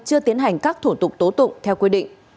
chưa tiến hành các thủ tục tố tụng theo quy định